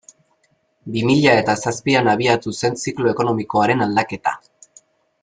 Bi mila eta zazpian abiatu zen ziklo ekonomikoaren aldaketa.